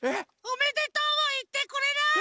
「おめでとう」もいってくれない！